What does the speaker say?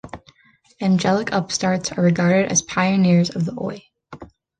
Angelic Upstarts are regarded as pioneers of the Oi!